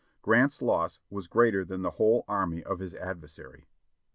Grant's loss was greater than the whole army of his adversary.